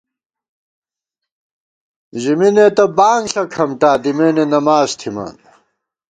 ژمېنےتہ بانگ ݪہ کھمٹا ، دِمېنے نماڅ تھِمان